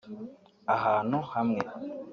ahantu hamwe